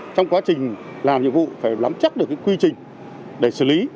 trong quá trình làm nhiệm vụ phải lắm chắc được quy trình để xử lý